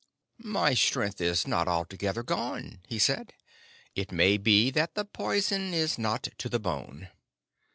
"My strength is not altogether gone," he said. "It may be that the poison is not to the bone.